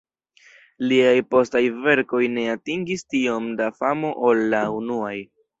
Liaj postaj verkoj ne atingis tiom da famo ol la unuaj.